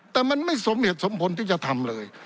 แต่มันไม่สมเหตุสมผลที่จะทำเลย